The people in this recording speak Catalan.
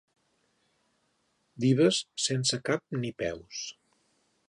Dives sense cap ni peus.